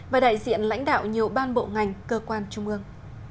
và đại diện lãnh đạo nhiều ban bộ ngành cơ quan trung ương